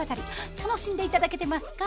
楽しんで頂けてますか？